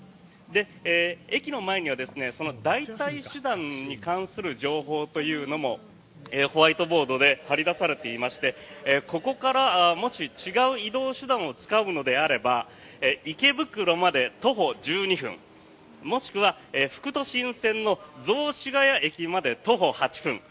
駅の前には代替手段に関する情報というのもホワイトボードで張り出されていましてここからもし違う移動手段を使うのであれば池袋まで徒歩１２分もしくは副都心線の雑司が谷駅まで徒歩８分